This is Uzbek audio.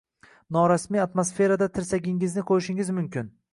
Norasmiy atmosferada tirsagingizni qo‘yishingiz mumkin.